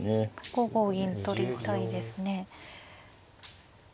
５五銀取りたいですね。